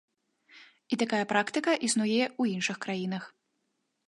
І такая практыка існуе ў іншых краінах.